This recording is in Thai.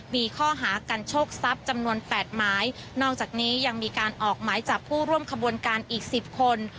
มีข้อหากันโชคทรัพย์จำนวนแปดหมายนอกจากนี้ยังมีการออกหมายจับผู้ร่วมขบวนการอีกสิบคน